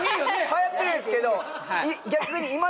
流行ってるんですけど逆にえっ！？